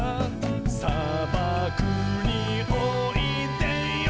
「さばくにおいでよ」